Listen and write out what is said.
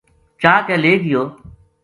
چا کے لے گیو